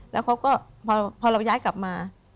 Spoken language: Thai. แล้วเขาก็พอเราย้ายกลับมา